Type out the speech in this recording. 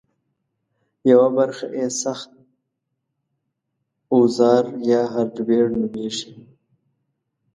یوه برخه یې سخت اوزار یا هارډویر نومېږي